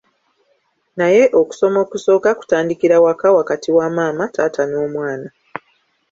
Naye okusoma okusooka kutandikira waka wakati wa maama, taata n’omwana.